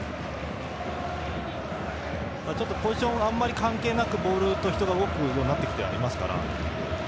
ちょっとポジションはあまり関係なくボールと人が動くようになってきていますから。